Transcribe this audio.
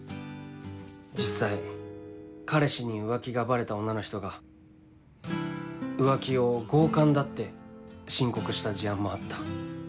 実際彼氏に浮気がバレた女の人が浮気を強姦だって申告した事案もあった。